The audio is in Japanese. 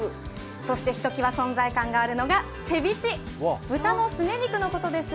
そして、ひときわ存在感があるのがテビチ豚のすね肉のことです。